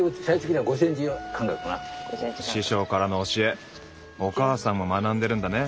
師匠からの教えお母さんも学んでるんだね。